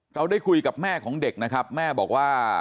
เราได้คุยกับแม่ของเด็กนะครับแม่บอกว่า